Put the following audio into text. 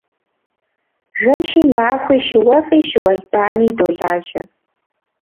Жэщи махуи щыуэфӏи щыуэлбани долажьэ.